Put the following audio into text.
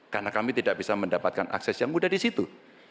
karena kami tidak bisa mendapatkan akses yang mudah di situ